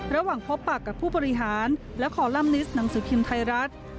ระหว่างพบปากกับผู้บริหารและคอลัมนิสต์หนังสือพิมพ์ไทยรัฐ